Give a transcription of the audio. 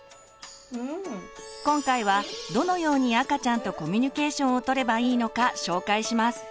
今回はどのように赤ちゃんとコミュニケーションをとればいいのか紹介します。